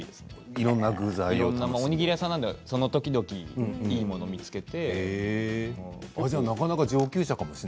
６種類おにぎり屋さんなのでその時々いいものを見つけて。